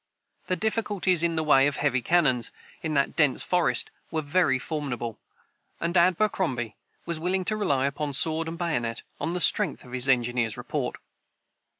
The difficulties in the way of heavy cannons, in that dense forest, were very formidable; and Abercrombie was willing to rely upon sword and bayonet, on the strength of his engineer's report.